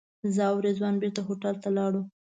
زه او رضوان بېرته هوټل ته لاړو.